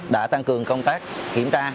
đã tăng cường công tác kiểm tra